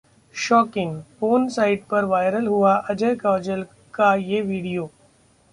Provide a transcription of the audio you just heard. Shocking: porn site पर viral हुआ अजय-काजोल का ये वीडियो